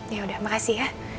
ya udah makasih ya